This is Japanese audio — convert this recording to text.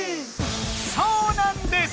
そうなんです！